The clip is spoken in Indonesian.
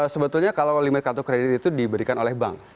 sebetulnya kalau limit kartu kredit itu diberikan oleh bank